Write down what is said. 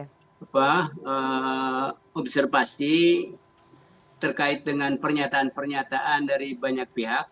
dan yang terakhir adalah observasi terkait dengan pernyataan pernyataan dari banyak pihak